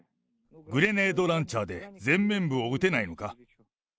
グレネードランチャーで前面部を撃てないのか？